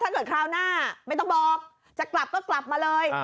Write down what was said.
คราวหน้าไม่ต้องบอกจะกลับก็กลับมาเลย